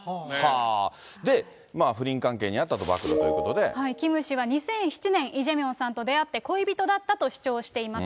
で、不倫関係にあったと暴露キム氏は、２００７年、イ・ジェミョンさんと出会って恋人だったと主張しています。